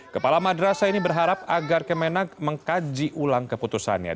kepala madrasah ini berharap agar kemenak mengkaji ulang keputusannya